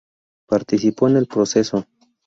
Participó en el proceso.